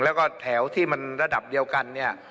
แล้วก็แถวที่มันระดับเดียวกันเนี่ย